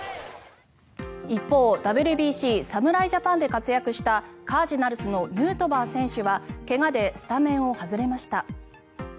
一方ＷＢＣ、侍ジャパンで活躍したカージナルスのヌートバー選手は怪我でスタメンを外れました。